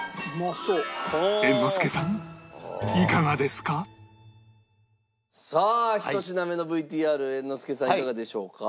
猿之助さんさあ１品目の ＶＴＲ 猿之助さんいかがでしょうか？